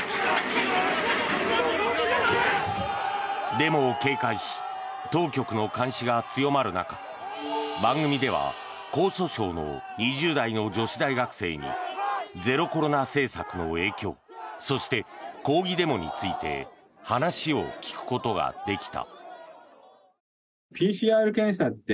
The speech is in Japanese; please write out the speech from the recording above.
デモを警戒し当局の監視が強まる中番組では江蘇省の２０代の女子大学生にゼロコロナ政策の影響そして、抗議デモについて話を聞くことができた。